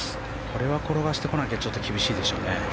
これは転がしてこなきゃちょっと厳しいでしょうね。